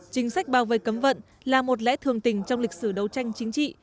chính sách bao vây cấm vận là một lẽ thường tình trong lịch sử đấu tranh chính trị